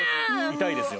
痛いですよ